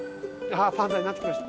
あぁパンダになってきました。